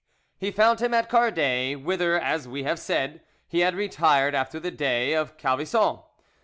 He found him at Cardet, whither, as we have said, he had retired after the day of Calvisson.